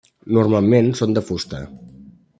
Normalment són de fusta.